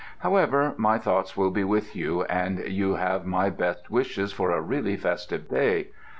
However, my thoughts will be with you, and you have my best wishes for a really festive day.